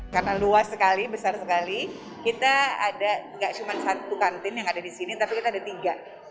karena luas sekali besar sekali kita ada gak cuma satu kantin yang ada di sini tapi kita ada tiga